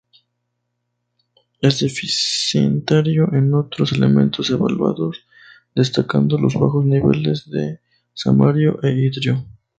Es deficitario en otros elementos evaluados, destacando los bajos niveles de samario e itrio.